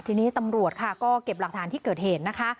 ทีนี้ตำรวจค่ะก็เก็บหลักฐานที่เกิดเหตุนะคะ